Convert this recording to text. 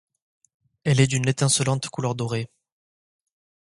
Elle est d’une étincelante couleur dorée.